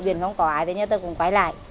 biển không có ai thì người ta cũng quay lại